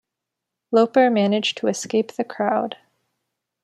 Loper managed to escape the crowd.